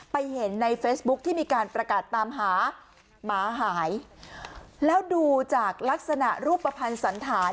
เห็นในเฟซบุ๊คที่มีการประกาศตามหาหมาหายแล้วดูจากลักษณะรูปภัณฑ์สันธาร